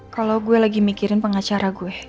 kalau gue lagi mikirin pengacara gue